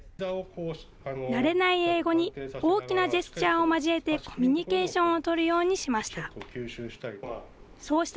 慣れない英語に大きなジェスチャーを交えてコミュニケーションを取るようにしました。